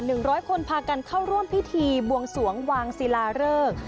ร้อยคนพากันเข้าร่วมพิธีบวงสวงวางศิลาเริก